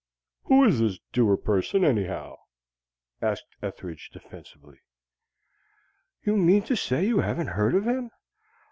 "Who is this Dewar person, anyhow?" asked Ethridge defensively. "You mean to say you haven't heard of him?